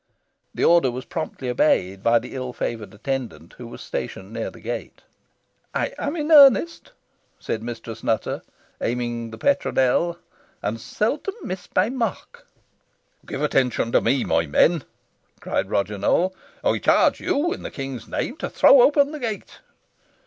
The order was promptly obeyed by the ill favoured attendant, who was stationed near the gate. "I am in earnest," said Mistress Nutter, aiming the petronel, "and seldom miss my mark." "Give attention to me, my men," cried Roger Nowell. "I charge you in the King's name to throw open the gate."